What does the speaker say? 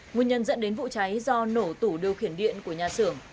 nguyên nhân dẫn đến vụ cháy do nổ tủ điều khiển điện của nhà xưởng